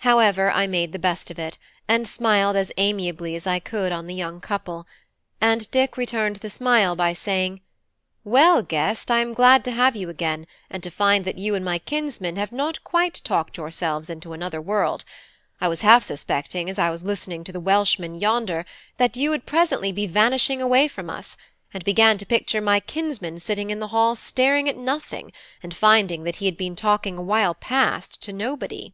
However, I made the best of it, and smiled as amiably as I could on the young couple; and Dick returned the smile by saying, "Well, guest, I am glad to have you again, and to find that you and my kinsman have not quite talked yourselves into another world; I was half suspecting as I was listening to the Welshmen yonder that you would presently be vanishing away from us, and began to picture my kinsman sitting in the hall staring at nothing and finding that he had been talking a while past to nobody."